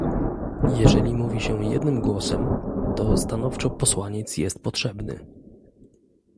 Jeżeli mówi się jednym głosem, to stanowczo posłaniec jest potrzebny